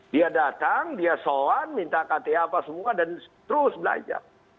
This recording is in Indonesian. dia datang dia soan minta kta apa semua dan terus belajar